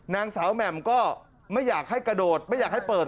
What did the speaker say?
นางสาวแหม่มก็ไม่อยากให้กระโดดไม่อยากให้เปิด